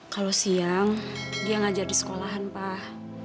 kalau siang dia ngajar di sekolahan pak